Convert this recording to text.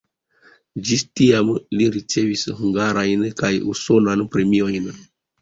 Ĝis tiam li ricevis hungarajn kaj usonan premiojn.